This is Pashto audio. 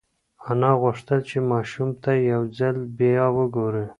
انا غوښتل چې ماشوم ته یو ځل بیا وگوري.